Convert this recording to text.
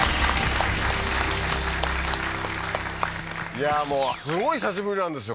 いやもうすごい久しぶりなんですよ